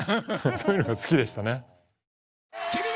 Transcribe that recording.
そういうのが好きでしたね。